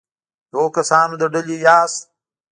د هغو کسانو له ډلې یاست.